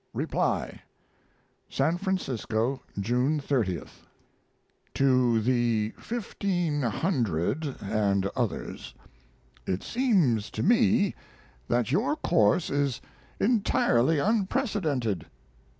(REPLY) SAN FRANCISCO, June 30th TO THE 1,500 AND OTHERS, It seems to me that your course is entirely unprecedented.